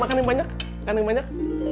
makan yang banyak makan yang banyak